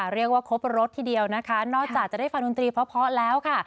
เรียกว่าครบรสทีเดียวนะคะนอกจากจะได้ฟังดนตรีเพราะแล้วค่ะ